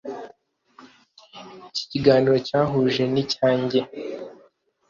iki kiganiro cyahuje nicyanjye